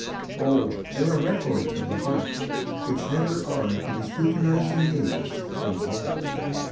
Oh, there are records of the heart which never Are to the scrutinizing gaze unrolled!